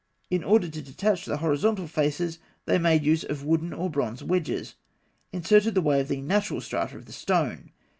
In order to detach the horizontal faces, they made use of wooden or bronze wedges, inserted the way of the natural strata of the stone.